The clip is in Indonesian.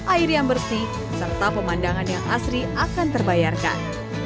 air yang bersih serta pemandangan yang asri akan terbayarkan